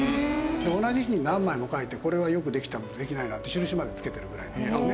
同じ日に何枚も書いてこれはよくできたものできないなって印まで付けてるぐらいなんですね。